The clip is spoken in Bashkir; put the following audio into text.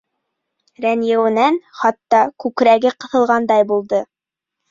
Рәнйеүенән хатта күкрәге ҡыҫылғандай булды.